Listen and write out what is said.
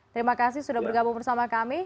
terima kasih sudah bergabung bersama kami